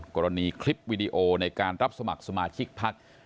กรณีคลิปวิดีโอในการรับสมัครสมาชิกพัก